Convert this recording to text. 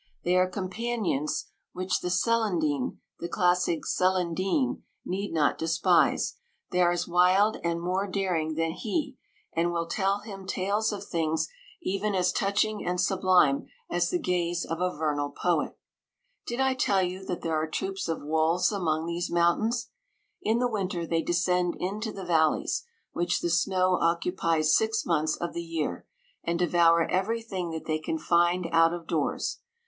They are companions which the Celandine — the classic Celandine, need not despise ; they are as wild and more daring than he, and will tell him tales of things 172 even as touching and sublime as the gaze of a vernal poet. Did I tell you that there are troops of wolves among these mountains ? In the winter they descend into the val lies, whiph the snow occupies six months of the year, and devour every thing that they can find out of doors.